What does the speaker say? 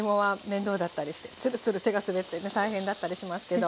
つるつる手が滑って大変だったりしますけど。